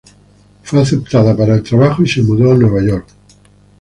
Fue aceptada para el trabajo y se mudó a Nueva York.